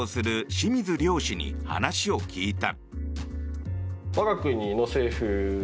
清水亮氏に話を聞いた。